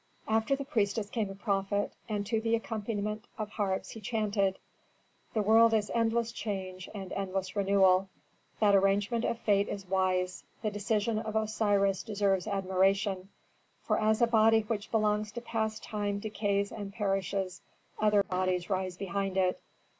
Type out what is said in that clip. After the priestess came a prophet, and to the accompaniment of harps he chanted, "The world is endless change and endless renewal. That arrangement of fate is wise; the decision of Osiris deserves admiration; for as a body which belongs to past time decays and perishes, other bodies rise behind it.